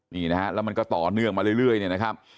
นี่นะฮะแล้วมันก็ต่อเนื่องมาเรื่อยเนี่ยนะครับ